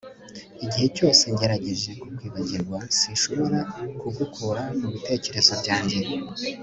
igihe cyose ngerageje kukwibagirwa, sinshobora kugukura mubitekerezo byanjye